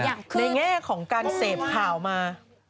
ในแง่ของการเสพข่าวมา